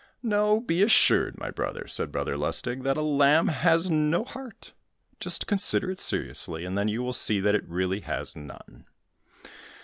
"No, be assured, my brother," said Brother Lustig, "that a lamb has no heart; just consider it seriously, and then you will see that it really has none."